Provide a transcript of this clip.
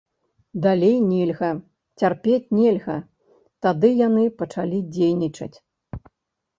Далей нельга, цярпець нельга, тады яны пачалі дзейнічаць.